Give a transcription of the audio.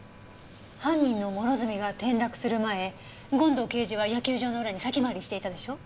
犯人の諸角が転落する前権藤刑事は野球場の裏に先回りしていたでしょ？